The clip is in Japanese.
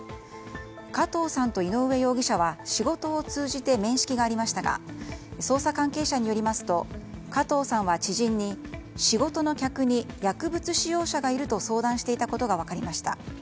加藤さんと井上容疑者は仕事を通じて面識がありましたが捜査関係者によりますと加藤さんは知人に仕事の客に薬物使用者がいると相談していたことが分かりました。